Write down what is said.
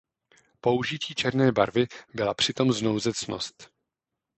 Použití černé barvy byla přitom z nouze ctnost.